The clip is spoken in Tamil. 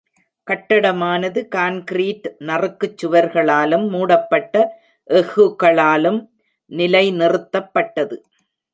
கட்டடமானது கான்க்ரீட் நறுக்குச் சுவர்களாலும், மூடப்பட்ட எஃகுகளாலும் நிலைநிறுத்தப்பட்டது.